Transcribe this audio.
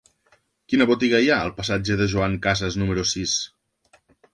Quina botiga hi ha al passatge de Joan Casas número sis?